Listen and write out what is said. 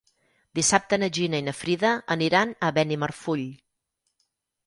Dissabte na Gina i na Frida aniran a Benimarfull.